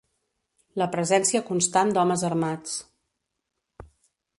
La presència constant d'homes armats